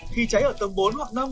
khi cháy ở tầm bốn hoặc năm